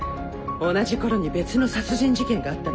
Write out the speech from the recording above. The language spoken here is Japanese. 同じころに別の殺人事件があったのね。